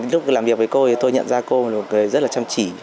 lúc làm việc với cô thì tôi nhận ra cô là một người rất là chăm chỉ